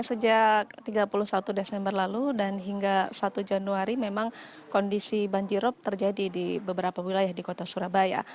sejak tiga puluh satu desember lalu dan hingga satu januari memang kondisi banjirop terjadi di beberapa wilayah di kota surabaya